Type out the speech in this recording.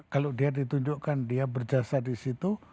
kalau dia ditunjukkan dia berjasa disitu